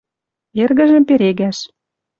Эргӹжӹм перегӓш